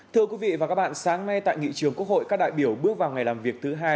thưa quý vị và các bạn sáng nay tại nghị trường quốc hội các đại biểu bước vào ngày làm việc thứ hai